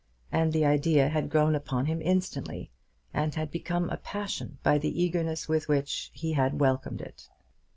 And the idea had grown upon him instantly, and had become a passion by the eagerness with which he had welcomed it.